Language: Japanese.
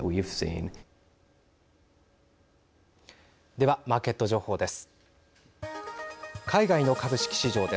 では、マーケット情報です。